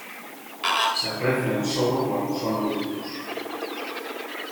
Se aprecian solo cuando son adultos.